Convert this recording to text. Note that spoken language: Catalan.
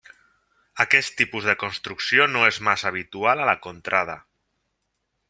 Aquest tipus de construcció no és massa habitual a la contrada.